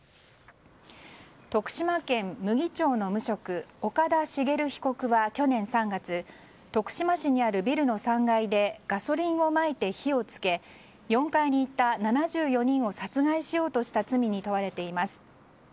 徳島県牟岐町の無職岡田茂被告は去年３月、徳島市にあるビルの３階でガソリンをまいて火をつけ４階にいた７４人を殺害しようとした罪に問われています。